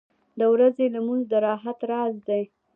• د ورځې لمونځ د راحت راز دی.